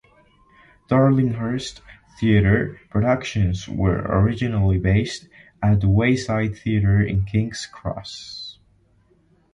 Darlinghurst Theatre productions were originally based at the Wayside Theatre in Kings Cross.